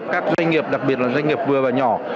các doanh nghiệp đặc biệt là doanh nghiệp vừa và nhỏ